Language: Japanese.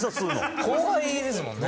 後輩ですもんね。